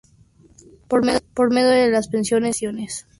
Por medio de las pensiones y prestaciones.